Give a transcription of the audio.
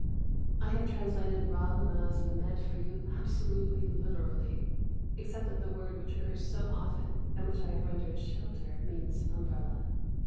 I have translated Ra'ûnah's lament for you absolutely literally, except that the word which occurs so often, and which I have rendered "shelter," means "umbrella."